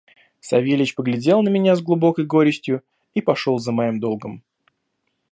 Савельич поглядел на меня с глубокой горестью и пошел за моим долгом.